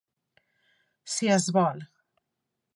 Si es vol.